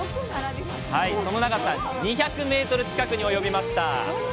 その長さ２００メートル近くに及びました原宿